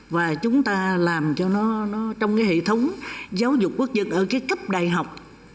và chúng ta làm cho nó trong cái hệ thống giáo dục quốc dân ở cái cấp đại học